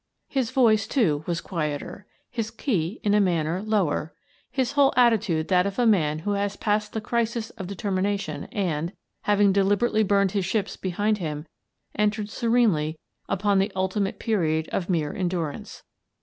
His voice, too, was quieter; his key, in a manner, lower; his whole attitude that of a man who has passed the crisis of determination and, having deliberately burned his ships behind him, entered serenely upon the ultimate period of mere endurance.